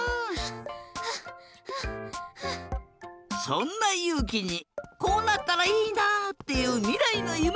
そんなゆうきにこうなったらいいな！っていうみらいのゆめをきいてみよう！